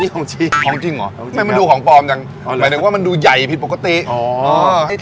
นี่ของจริงพร้อมจริงหรอเป็นดูของปลอมจังหมายนึกว่ามันดูใหญ่ผิดปกติ